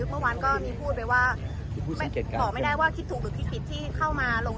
เพื่อนรู้เป็นคนไม่ฟังข้างลง